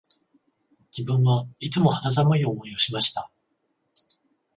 自分はいつも肌寒い思いをしました